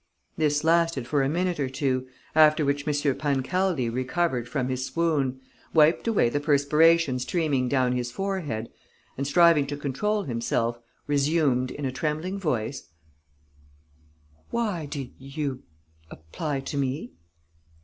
This lasted for a minute or two, after which M. Pancaldi recovered from his swoon, wiped away the perspiration streaming down his forehead and, striving to control himself, resumed, in a trembling voice: "Why do you apply to me?"